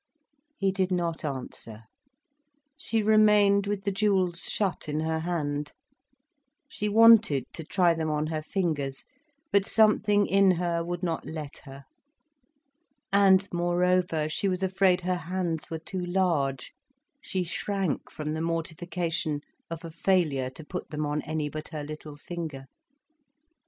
He did not answer. She remained with the jewels shut in her hand. She wanted to try them on her fingers, but something in her would not let her. And moreover, she was afraid her hands were too large, she shrank from the mortification of a failure to put them on any but her little finger.